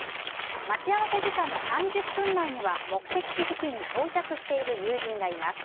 待ち合わせ時間の３０分前には目的地付近に到着している友人がいます。